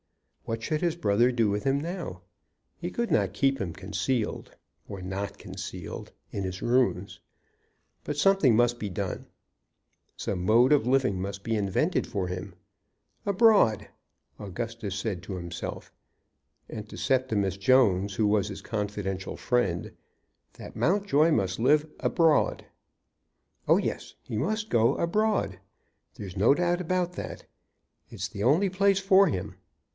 What should his brother do with him now? He could not keep him concealed, or not concealed, in his rooms. But something must be done. Some mode of living must be invented for him. Abroad! Augustus said to himself, and to Septimus Jones, who was his confidential friend, that Mountjoy must live "abroad." "Oh yes; he must go abroad. There's no doubt about that. It's the only place for him."